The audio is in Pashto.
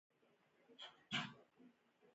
دا سړی زما ملګری ده